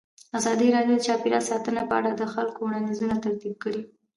ازادي راډیو د چاپیریال ساتنه په اړه د خلکو وړاندیزونه ترتیب کړي.